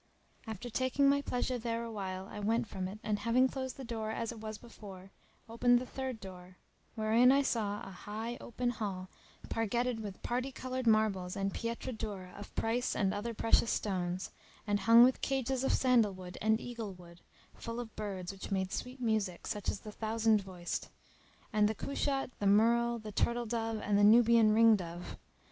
After taking my pleasure there awhile I went from it and, having closed the door as it was before, opened the third door wherein I saw a high open hall pargetted with parti coloured marbles and pietra dura of price and other precious stones, and hung with cages of sandal wood and eagle wood; full of birds which made sweet music, such as the Thousand voiced,[FN#295] and the cushat, the merle, the turtle dove and the Nubian ring dove.